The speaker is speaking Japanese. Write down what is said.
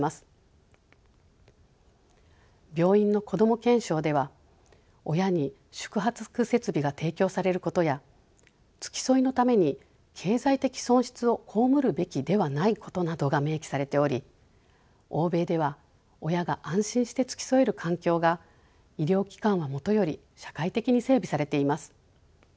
「病院のこども憲章」では親に宿泊設備が提供されることや付き添いのために経済的損失を被るべきではないことなどが明記されており欧米では親が安心して付き添える環境が医療機関はもとより社会的に整備されています。